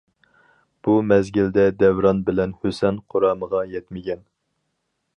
بۇ مەزگىلدە دەۋران بىلەن ھۈسەن قۇرامىغا يەتمىگەن.